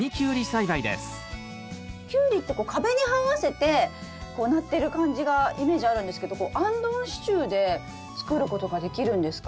キュウリってこう壁にはわせてなってる感じがイメージあるんですけどあんどん支柱で作ることができるんですか？